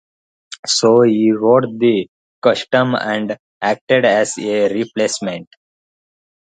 So he wore the costume and acted as a replacement.